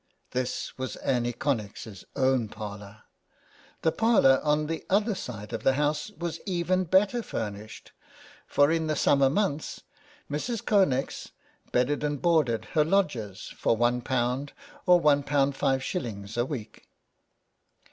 This was Annie Connex's own parlour. The parlour on the other side of the house was even better furnished, for in the summer months Mrs. Connex bedded and boarded her lodgers for one pound or one pound five shillings a week.